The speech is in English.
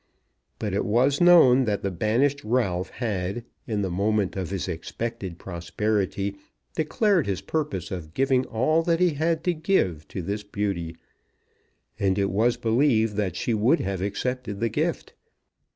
But it was known that the banished Ralph had, in the moment of his expected prosperity, declared his purpose of giving all that he had to give to this beauty, and it was believed that she would have accepted the gift.